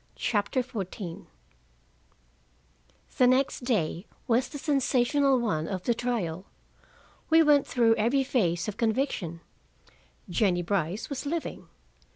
CHAPTER XIV The next day was the sensational one of the trial. We went through every phase of conviction: Jennie Brice was living.